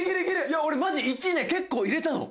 「いや俺マジ１ね結構入れたの」